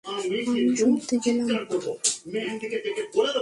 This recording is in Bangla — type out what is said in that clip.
আমি শুতে গেলাম।